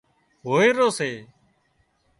هوئيرو سي